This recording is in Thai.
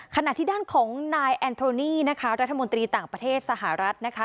ขณะที่ด้านของนายแอนโทนี่นะคะรัฐมนตรีต่างประเทศสหรัฐนะคะ